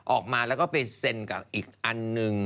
ออกมาแล้วก็ไปเซ็นกับอีกอันหนึ่ง